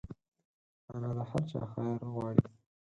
انا د هر چا خیر غواړي